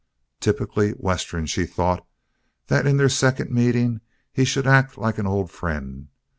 Typically Western, she thought, that in their second meeting he should act like an old friend.